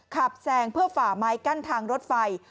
แซงเพื่อฝ่าไม้กั้นทางรถไฟ